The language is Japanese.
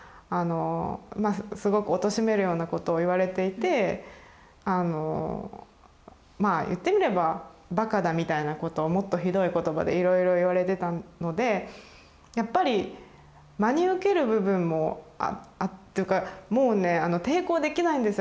まあすごくおとしめるようなことを言われていてあのまあ言ってみればバカだみたいなことをもっとひどい言葉でいろいろ言われてたのでやっぱり真に受ける部分もというかもうね抵抗できないんですよ。